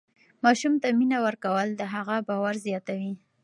ماشوم ته مینه ورکول د هغه باور زیاتوي.